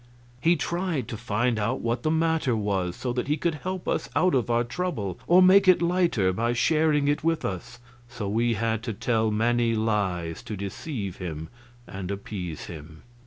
He tried to find out what the matter was, so that he could help us out of our trouble or make it lighter by sharing it with us; so we had to tell many lies to deceive him and appease him.